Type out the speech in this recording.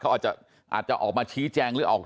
เขาอาจจะออกมาชี้แจง